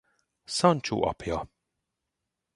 Sancho apja.